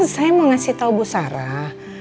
saya mau ngasih tahu bu sarah